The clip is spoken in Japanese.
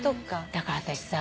だから私さ